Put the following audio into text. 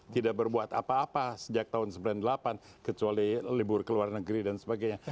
tidak berbuat apa apa sejak tahun seribu sembilan ratus sembilan puluh delapan kecuali libur ke luar negeri dan sebagainya